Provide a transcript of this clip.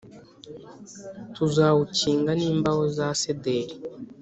tuzawukinga n’imbaho za sederi